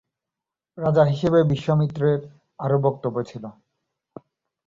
রাজা হিসেবে বিশ্বামিত্রের আরও বক্তব্য ছিল।